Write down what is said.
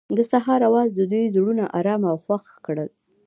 د سهار اواز د دوی زړونه ارامه او خوښ کړل.